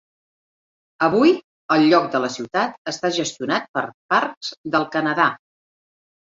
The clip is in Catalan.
Avui, el lloc de la ciutat està gestionat per Parcs del Canadà.